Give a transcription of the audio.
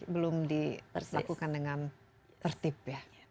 belum dilakukan dengan tertib ya